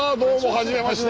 はじめまして。